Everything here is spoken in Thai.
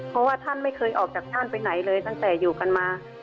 เพราะว่าท่านไม่เคยออกจากท่านไปไหนเลยตั้งแต่อยู่กันมา